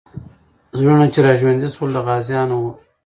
زړونه چې راژوندي سول، د غازیانو وو.